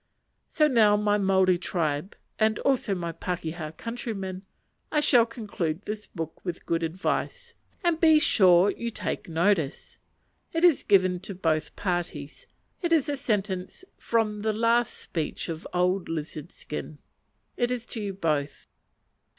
So now, my Maori tribe, and also my pakeha countrymen, I shall conclude this book with good advice; and be sure you take notice: it is given to both parties. It is a sentence from the last speech of old "Lizard Skin." It is to you both.